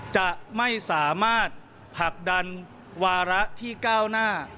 จะไม่สามารถผลักดันวาระที่ก้าวหน้า